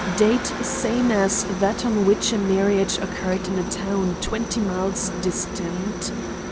Date same as that on which a marriage occurred in a town twenty miles distant.